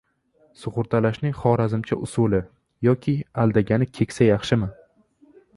Sug‘urtalashning «xorazmcha usuli». Yoki aldagani keksa yaxshimi?